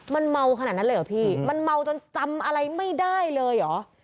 มันเมาขนาดนั้นเลยเหรอพี่มันเมาจนจำอะไรไม่ได้เลยเหรอ